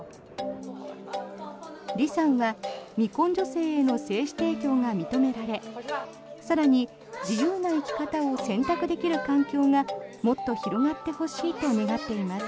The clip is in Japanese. リさんは未婚女性への精子提供が認められ更に、自由な生き方を選択できる環境がもっと広がってほしいと願っています。